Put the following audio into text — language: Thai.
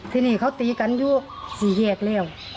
ที่นี่เขาตีกันอยู่สี่แยกแล้ว